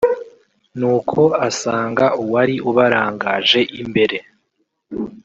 nuko asanga uwari ubarangaje imbere